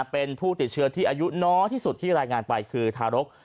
เป็นผู้ติดเชื้อที่อายุน้อยที่สุดที่รายงานไปคือทารก